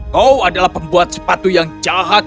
kau adalah pembuat sepatu yang jahat